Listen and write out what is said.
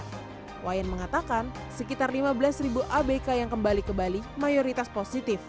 iwayan mengatakan sekitar lima belas ribu abk yang kembali ke bali mayoritas positif